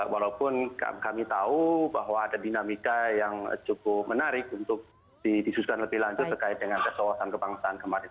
walaupun kami tahu bahwa ada dinamika yang cukup menarik untuk disusukan lebih lanjut terkait dengan kesewasan kebangsaan kemarin